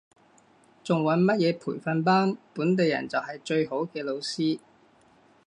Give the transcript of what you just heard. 仲揾乜嘢培訓班，本地人就係最好嘅老師